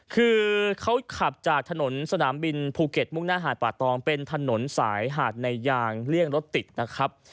คือเขาขับจากถนนสนามบินภูเก็ตมุ่งหน้าหาดป่าตองเป็นถนนสายหาดในยางเลี่ยงรถติดนะครับ